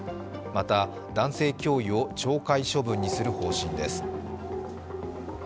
また男性教諭を懲戒処分にする方針です。